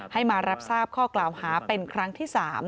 ให้มารับทราบข้อกล่าวหาเป็นครั้งที่๓